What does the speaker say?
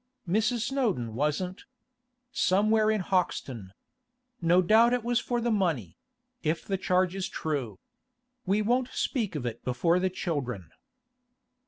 'Mrs. Snowdon wasn't. Somewhere in Hoxton. No doubt it was for the money—if the charge is true. We won't speak of it before the children.